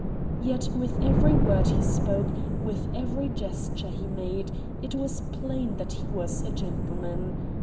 Yet with every word he spoke, with every gesture he made, it was plain that he was a gentleman.